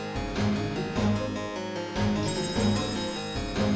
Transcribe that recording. うん。